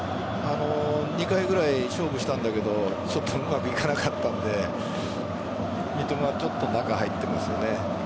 ２回くらい勝負したんだけどちょっとうまくいかなかったので三笘は中に入っていますよね。